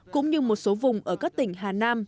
cũng như một số vùng ở các tỉnh hà nam